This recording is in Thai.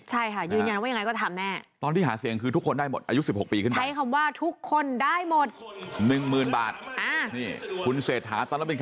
ใช่ค่ะ